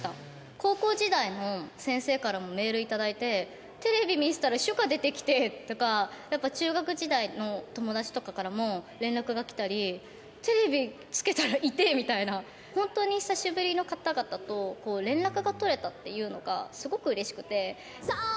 高校時代の先生からもメール頂いて、テレビ見てたら朱夏出てきてとか、やっぱ中学時代の友達とかからも連絡が来たり、テレビつけたら、いてみたいな、本当に久しぶりの方々と連絡が取れたっていうのが、すごくうれしくて。